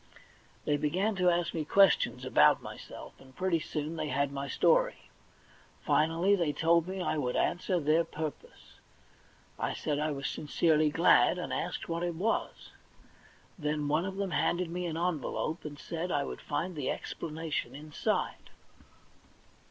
They began to ask me questions about myself, and pretty soon they had my story. Finally they told me I would answer their purpose. I said I was sincerely glad, and asked what it was. Then one of them handed me an envelope, and said I would find the explanation inside.